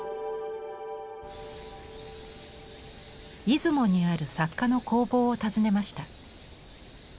出雲にある作家の工房を訪ねました。